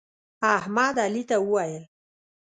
احمد علي ته وویل: